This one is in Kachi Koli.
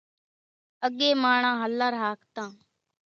اڳيَ ماڻۿان هلر هاڪتان۔